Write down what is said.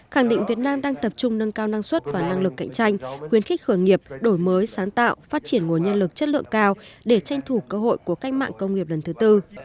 khẳng định việt nam đang tập trung nâng cao năng suất và năng lực cạnh tranh khuyến khích khởi nghiệp đổi mới sáng tạo phát triển nguồn nhân lực chất lượng cao để tranh thủ cơ hội của cách mạng công nghiệp lần thứ tư